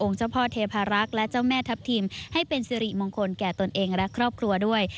เจ้าพ่อเทพารักษ์และเจ้าแม่ทัพทิมให้เป็นสิริมงคลแก่ตนเองและครอบครัวด้วย